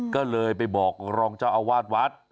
ก็เลยไปบอกรองเจ้าอาวาสวัด